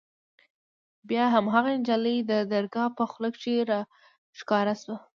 بيا هماغه نجلۍ د درګاه په خوله کښې راښکاره سوه.